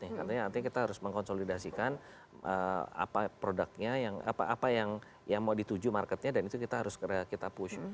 artinya kita harus mengkonsolidasikan apa produknya apa yang mau dituju marketnya dan itu kita harus push